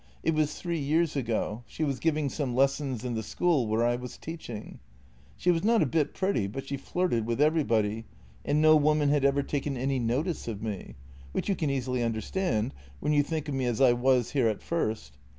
It was three years ago. She was giving some lessons in the school where I was teach ing. She was not a bit pretty, but she flirted with everybody, and no woman had ever taken any notice of me — which you can easily understand, when you think of me as I w 7 as here at first.